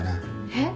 えっ？